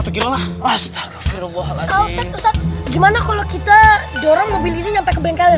jalan astagfirullahaladzim gimana kalau kita jorong mobil ini sampai ke bengkelnya